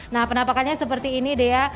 nah penampakannya seperti ini dea